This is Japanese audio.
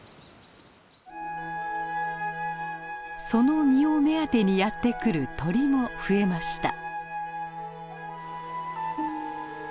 その実を目当てにやって来る鳥も増えました。